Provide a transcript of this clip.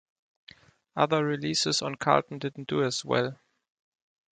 Other releases on Carlton didn't do as well.